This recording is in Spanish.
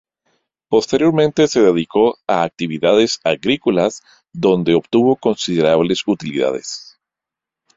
Posteriormente se dedicó a actividades agrícolas, donde obtuvo considerables utilidades.